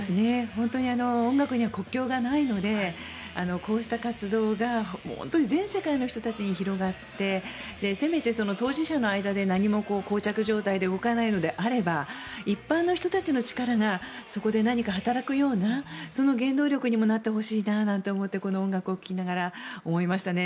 本当に音楽には国境がないのでこうした活動が本当に全世界の人たちに広がってせめて当事者の間で何もこう着状態で動かないのであれば一般の人たちの力がそこで何か働くようなその原動力にもなってほしいななんて思ってこの音楽を聴きながら思いましたね。